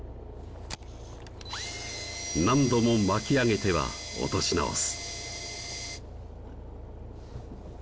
何度も巻き上げては落とし直す